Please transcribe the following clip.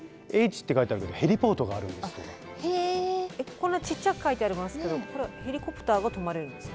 こんなちっちゃく書いてありますけどこれはヘリコプターが止まれるんですか。